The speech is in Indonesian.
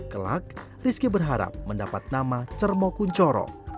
kelak rizky berharap mendapat nama cermokuncoro